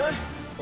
お？